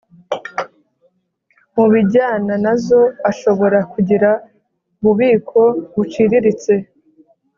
mub ibijyana nazo ashobora kugira ububiko buciriritse